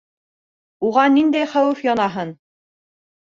Уға ниндәй хәүеф янаһын?!